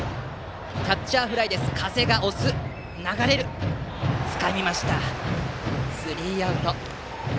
キャッチャーフライ。つかみました、スリーアウト。